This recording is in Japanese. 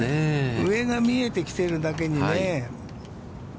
上が見えてきているだけにね。